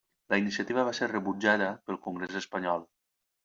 La iniciativa va ser rebutjada pel Congrés espanyol.